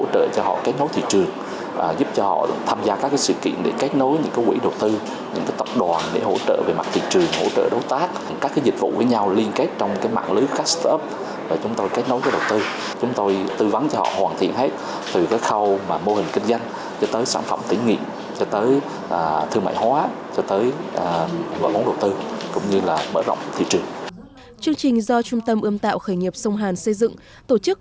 trung tâm ươm tạo khởi nghiệp sông hàn xây dựng tổ chức và vận hành từ hà nội đến hà nội